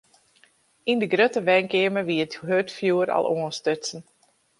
Yn de grutte wenkeamer wie it hurdfjoer al oanstutsen.